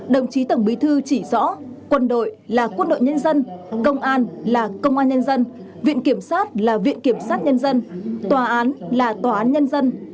đồng chí tổng bí thư chỉ rõ quân đội là quân đội nhân dân công an là công an nhân dân viện kiểm sát là viện kiểm sát nhân dân tòa án là tòa án nhân dân